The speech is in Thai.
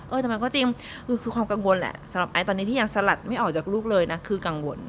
แต่มันก็จริงคือความกังวลแหละสำหรับไอซ์ตอนนี้ที่ยังสลัดไม่ออกจากลูกเลยนะคือกังวล